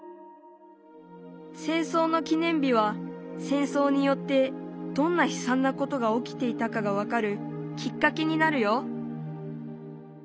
戦争の記念日は戦争によってどんなひさんなことが起きていたかが分かるきっかけになるよ。